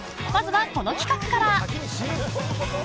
［まずはこの企画から］